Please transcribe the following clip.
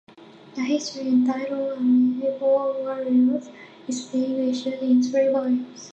The history, entitled "Amiable Warriors", is being issued in three volumes.